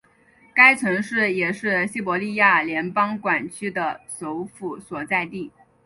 该城市也是西伯利亚联邦管区的首府所在地。